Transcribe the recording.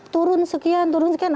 turun sekian turun sekian